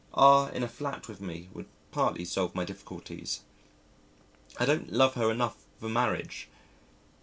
R in a flat with me would partly solve my difficulties. I don't love her enough for marriage.